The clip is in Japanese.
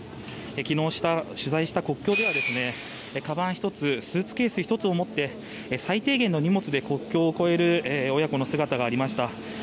昨日、取材した国境ではかばん１つスーツケース１つを持って最低限の荷物で国境を越える親子の姿がありました。